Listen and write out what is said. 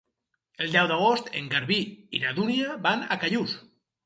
El deu d'agost en Garbí i na Dúnia van a Callús.